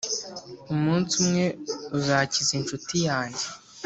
umunsi umwe uzakiza inshuti yanjye.